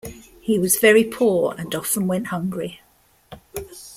He was very poor and often went hungry.